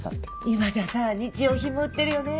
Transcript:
今じゃさ日用品も売ってるよね